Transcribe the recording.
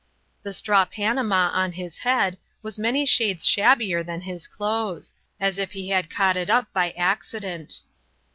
The straw panama on his head was many shades shabbier than his clothes, as if he had caught it up by accident.